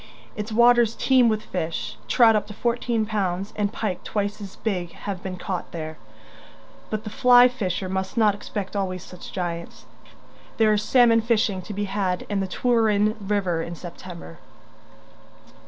Its waters teem with fish; trout up to fourteen pounds and pike twice as big have been caught there but the flyfisher must not expect always such giants. There is salmon fishing to be had in the Treweryn river in September.